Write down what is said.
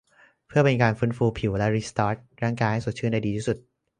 เพื่อเป็นการฟื้นฟูผิวและรีสตาร์ตร่างกายให้สดชื่นได้ดีที่สุด